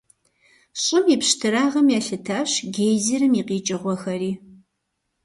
ЩӀым и пщтырагъым елъытащ гейзерым и къикӀыгъуэхэри.